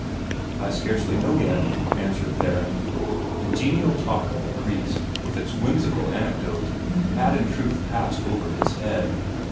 "I scarcely know yet," answered Theron. The genial talk of the priest, with its whimsical anecdote, had in truth passed over his head.